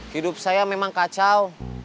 hidup saya memang kacau